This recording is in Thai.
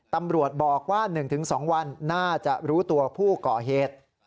ตำรวจบอกว่า๑๒วันน่าจะรู้ตัวผู้ก่อเหตุ